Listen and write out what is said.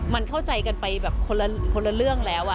มันเข้าใจกันไปแบบคนละเรื่องแล้ว